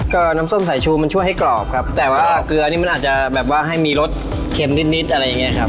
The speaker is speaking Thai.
ก็น้ำส้มสายชูมันช่วยให้กรอบครับแต่ว่าเกลือนี่มันอาจจะแบบว่าให้มีรสเค็มนิดนิดอะไรอย่างเงี้ยครับ